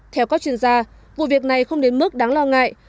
theo các chuyên gia vụ việc này không đến mức đáng lo ngại